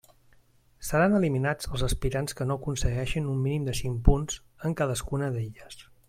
Seran eliminats els aspirants que no aconsegueixin un mínim de cinc punts en cadascuna d'elles.